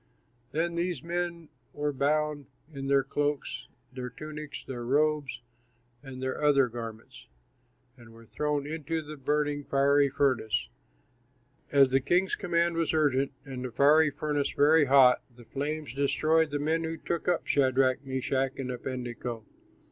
Then these men were bound in their cloaks, their tunics, their robes, and their other garments, and were thrown into the burning, fiery furnace. As the king's command was urgent and the furnace very hot, the flames destroyed the men who took up Shadrach, Meshach, and Abednego.